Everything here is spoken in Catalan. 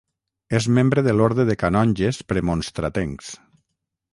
És membre de l'Orde de Canonges Premonstratencs.